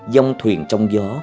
dòng thuyền trong gió